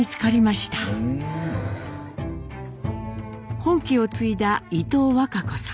本家を継いだ伊藤わか子さん。